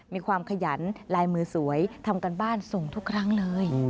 มีความขยันลายมือสวยทำการบ้านส่งทุกครั้งเลย